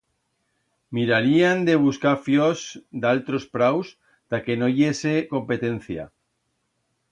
Mirarían de buscar fllors d'altros praus ta que no i hese competencia.